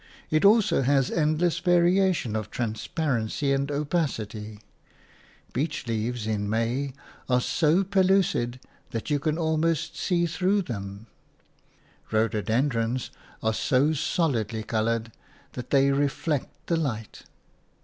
It also has endless variations of transparency and opacity; beech leaves in May are so pellucid that you can almost see through them; rhododendrons are so solidly coloured that they reflect the light.